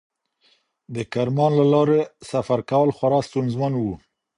د کرمان له لارې سفر کول خورا ستونزمن و.